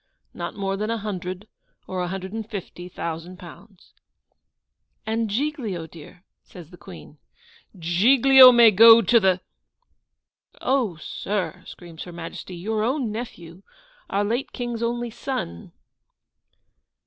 Not more than a hundred or a hundred and fifty thousand pounds.' 'And Giglio, dear?' says the Queen. 'GIGLIO MAY GO TO THE ' 'Oh, sir,' screams Her Majesty. 'Your own nephew! our late King's only son.